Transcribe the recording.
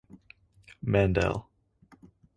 Mandell.